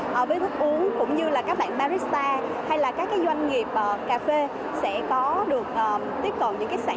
với thức uống cũng như là các bạn barista hay là các doanh nghiệp cà phê sẽ có được tiếp cận những cái sản phẩm